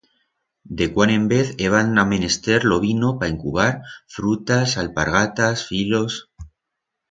De cuando en vez heban amenester lo vino pa encubar, frutas, alpargatas, filos...